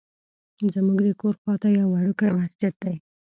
زمونږ د کور خواته یو وړوکی مسجد دی.